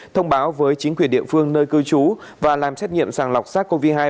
thông báo với chính quyền địa phương nơi cư trú và làm xét nghiệm sàng lọc sát covid một mươi chín